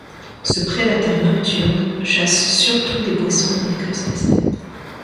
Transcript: Ce prédateur nocturne chasse surtout des poissons et des crustacés.